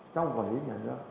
trong quản lý nhà nước